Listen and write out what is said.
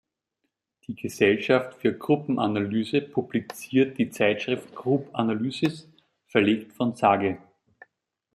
Die Gesellschaft für Gruppenanalyse publiziert die Zeitschrift "Group Analysis", verlegt von Sage.